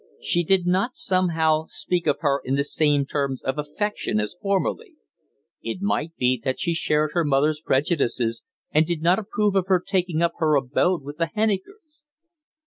She did not, somehow, speak of her in the same terms of affection as formerly. It might be that she shared her mother's prejudices, and did not approve of her taking up her abode with the Hennikers.